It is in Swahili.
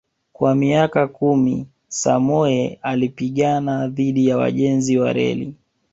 Kwa miaka kumi Samoei alipigana dhidi ya wajenzi wa reli